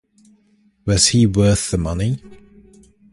Was he worth the money?